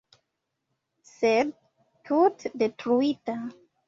Sed, tute detruita.